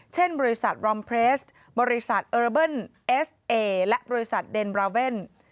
เช่นบริษัทรอมเพลสบริษัทเออราเบิ้ลเอสเอและบริษัทเดนบราเว่น